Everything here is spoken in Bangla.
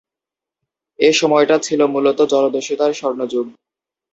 এ সময়টা ছিল মূলত জলদস্যুতার স্বর্ণযুগ।